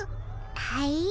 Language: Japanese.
はい？